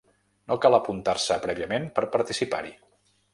No cal apuntar-se prèviament per participar-hi.